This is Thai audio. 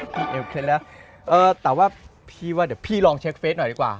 พี่ว่าเดี๋ยวพี่ลองเช็คเฟสหน่อยดีกว่า